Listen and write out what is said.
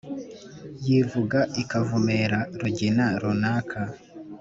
yivuga ikavumera rugina runaka.